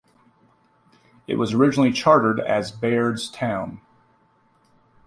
It was originally chartered as Baird's Town.